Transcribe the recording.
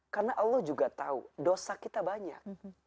karena allah juga tahu dosa kita banyak